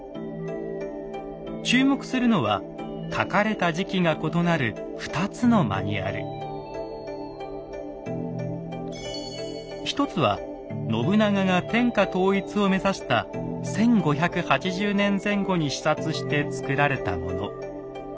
注目するのは書かれた時期が異なる一つは信長が天下統一を目指した１５８０年前後に視察して作られたもの。